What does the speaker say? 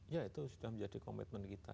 ya itu sudah menjadi komitmen kita